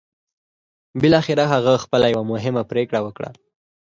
بالاخره هغه پخپله يوه مهمه پرېکړه وکړه.